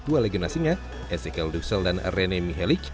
dua legionasinya ezekiel duxel dan rene mihelic